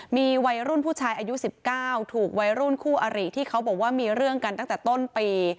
มีวัยรุ่นผู้ชายอายุ๑๙ถูกวัยรุ่นคู่อริที่เขาบอกว่ามีเรื่องกันตั้งแต่ต้นปี